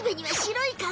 はい。